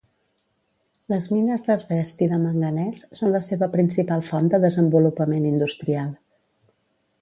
Les mines d'asbest i de manganès són la seva principal font de desenvolupament industrial.